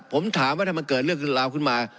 ผมถามว่าถ้ามันเกิดเรื่องราวขึ้นมา